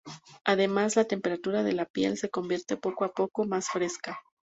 Además, la temperatura de la piel se convierte poco a poco más fresca.